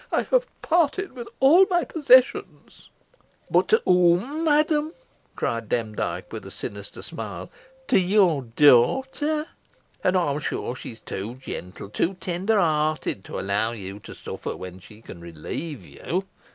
"I have parted with all my possessions." "But to whom, madam?" cried Demdike, with a sinister smile "to your daughter. And I am sure she is too gentle, too tender hearted, to allow you to suffer when she can relieve you.